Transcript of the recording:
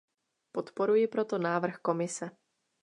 Podporuji proto návrh Komise.